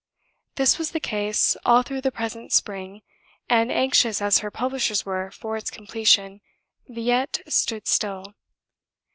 This was the case all through the present spring; and anxious as her publishers were for its completion, Villette stood still.